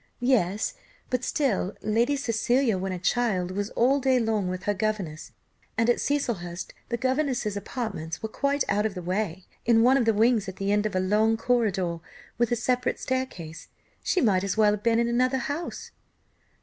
"Yes, but still Lady Cecilia, when a child, was all day long with her governess, and at Cecilhurst the governess's apartments were quite out of the way, in one of the wings at the end of a long corridor, with a separate staircase; she might as well have been in another house."